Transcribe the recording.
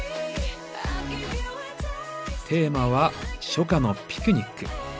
テーマは「初夏のピクニック」。